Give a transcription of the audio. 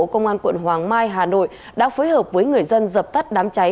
công an quận hoàng mai hà nội đã phối hợp với người dân dập tắt đám cháy